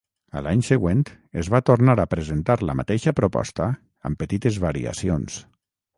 A l'any següent es va tornar a presentar la mateixa proposta amb petites variacions.